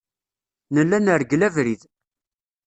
Nella nergel abrid.